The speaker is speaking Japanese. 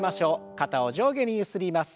肩を上下にゆすります。